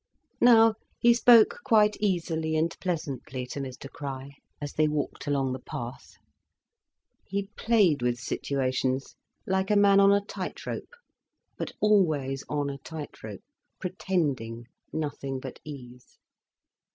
Now he spoke quite easily and pleasantly to Mr Crich, as they walked along the path; he played with situations like a man on a tight rope: but always on a tight rope, pretending nothing but ease.